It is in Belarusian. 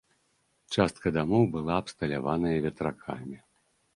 Частка дамоў была абсталяваная ветракамі.